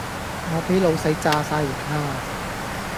我俾老細炸哂型呀